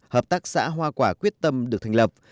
hợp tác xã hoa quả quyết tâm được thành lập